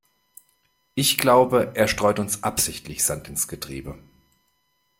Ich glaube, er streut uns absichtlich Sand ins Getriebe.